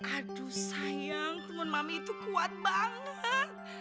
aduh sayang teman mami itu kuat banget